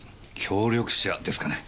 協力者ですかね？